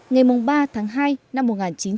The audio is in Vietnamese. ngày ba tháng hai năm một nghìn chín trăm bảy mươi